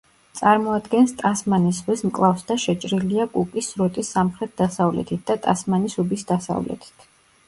წარმოადგენს ტასმანის ზღვის მკლავს და შეჭრილია კუკის სრუტის სამხრეთ-დასავლეთით და ტასმანის უბის დასავლეთით.